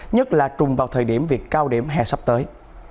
nhất là trùng vào thời điểm việc cao điểm hè sắp tới